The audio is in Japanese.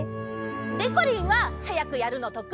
でこりんははやくやるのとくいだよ！